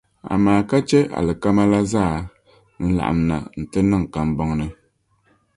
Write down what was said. amaa ka chɛ alikama la zaa n-laɣim na nti niŋ n kambɔŋ ni.